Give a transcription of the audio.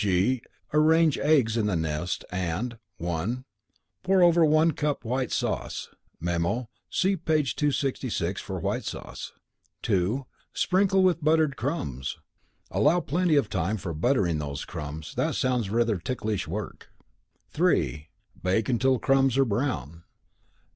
(g) Arrange eggs in the nest and (1) Pour over one cup White Sauce. ("Memo: See p. 266 for White Sauce.") (2) Sprinkle with buttered crumbs. ("Allow plenty of time for buttering those crumbs; that sounds rather ticklish work.") (3) Bake until crumbs are brown.